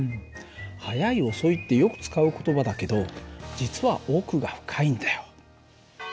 速い遅いってよく使う言葉だけど実は奥が深いんだよ。